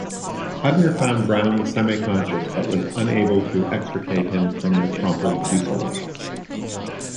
Hudner found Brown semi-conscious, but was unable to extricate him from the crumpled fuselage.